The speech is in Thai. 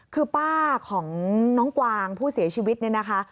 คือป้าของน้องกวางผู้เสียชีวิตเนี่ยนะคะ